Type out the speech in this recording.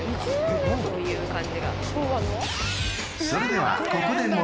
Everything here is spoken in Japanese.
［それではここで］